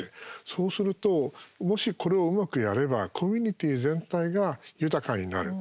そうすると、もしこれをうまくやればコミュニティー全体が豊かになる。